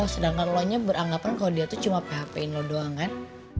sedangkan lo nya beranggapan kalo dia tuh cuma php in lo doang kan